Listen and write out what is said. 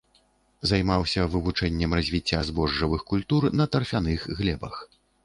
Займаўся вывучэннем развіцця збожжавых культур на тарфяных глебах.